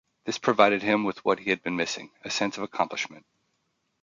This provided him with what he had been missing; a sense of accomplishment.